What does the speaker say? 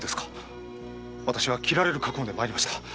私は斬られる覚悟で参りました。